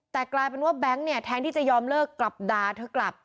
แต่กลายเป็นว่าแบงค์เนี่ยแทนที่จะยอมเลิกกลับด่าเธอกลับ